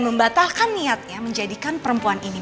membatalkan niatnya menjadikan perempuan ini